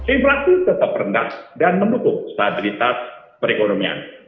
inflasi tetap rendah dan mendukung stabilitas perekonomian